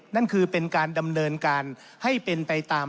นั่นคือเป็นการดำเนินการให้เป็นไปตาม